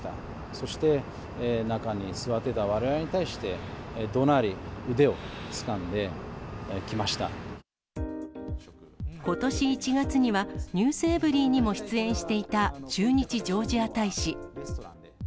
そして、中に座ってたわれわれに対して、どなり、ことし１月には、ｎｅｗｓｅｖｅｒｙ．にも出演していた駐日ジョージア大使。